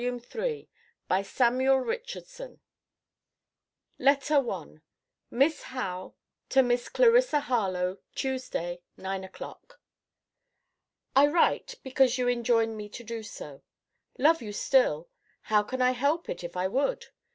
THE HISTORY OF CLARISSA HARLOWE LETTER I MISS HOWE, TO MISS CLARISSA HARLOWE TUESDAY, NINE O'CLOCK. I write, because you enjoin me to do so. Love you still! How can I help it, if I would?